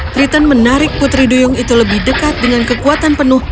triton menarik putri duyung itu lebih dekat dengan kekuatan penuh